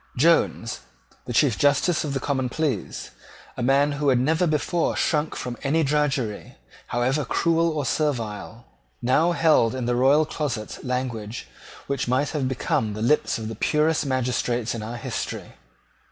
Jones, the Chief Justice of the Common Pleas, a man who had never before shrunk from any drudgery, however cruel or servile, now held in the royal closet language which might have become the lips of the purest magistrates in our history.